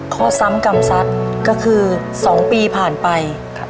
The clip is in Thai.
ข้อซ้ำกรรมซัดก็คือ๒ปีผ่านไป